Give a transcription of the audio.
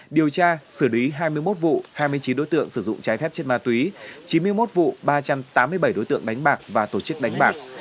điều tra xử lý hai mươi một vụ hai mươi chín đối tượng sử dụng trái phép chất ma túy chín mươi một vụ ba trăm tám mươi bảy đối tượng đánh bạc và tổ chức đánh bạc